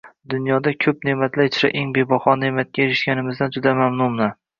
Dunyoda ko‘p ne'matlar ichra eng bebaho ne'matga erishganimizdan juda mamnunman